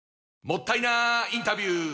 もったいなインタビュー！